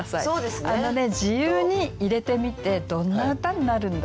自由に入れてみてどんな歌になるんだろう？